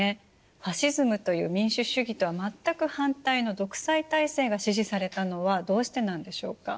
ファシズムという民主主義とは全く反対の独裁体制が支持されたのはどうしてなんでしょうか？